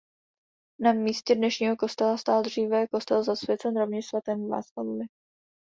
Na místě dnešního kostela stál dříve kostel zasvěcen rovněž svatému Václavovi.